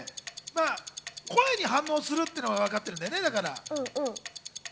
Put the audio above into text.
声に反応するっていうのは分かってるんだよね。